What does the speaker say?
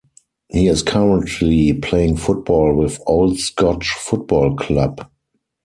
He is currently playing football with Old Scotch Football Club.